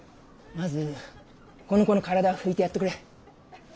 まずこの子の体拭いてやってくれ。